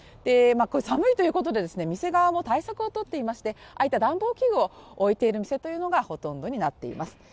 寒いということで店側も対策をとっていましてああいった暖房器具を置いている店がほとんどになっています。